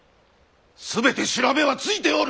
全て調べはついておる！